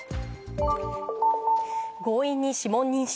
強引に指紋認証。